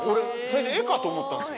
最初、絵かと思った。